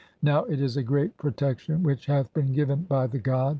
NOW IT IS A GREAT PROTECTION WHICH [HATH BEEN GIVEN] BY THE GOD.